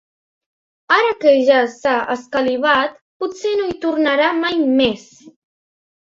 Ara que ja s'ha escalivat, potser no hi tornarà mai més.